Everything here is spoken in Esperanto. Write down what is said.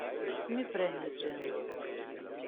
Mi prenis ĝin.